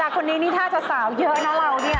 แต่คนนี้นี่ถ้าจะสาวเยอะนะเราเนี่ย